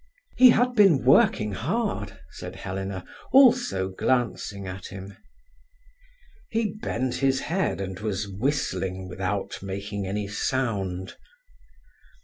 "He had been working hard," said Helena, also glancing at him. He bent his head, and was whistling without making any sound.